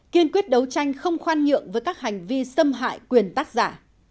kiên quyết đấu tranh không khoan nhượng với các hành vi xâm hại quyền tác giả